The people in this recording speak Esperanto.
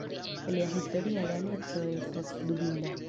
Lia historia realeco estas dubinda.